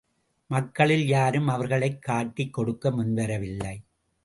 மக்களில் யாரும் அவர்களைக் காட்டிக் கொடுக்க முன்வரவில்லை.